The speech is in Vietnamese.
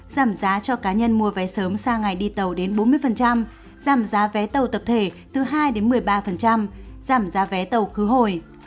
giảm giá cho cá nhân mua vé sớm sang ngày đi tàu đến bốn mươi giảm giá vé tàu tập thể từ hai đến một mươi ba giảm giá vé tàu khứ hồi